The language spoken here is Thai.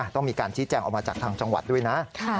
ต้องมีการชี้แจงออกมาจากทางจังหวัดด้วยนะ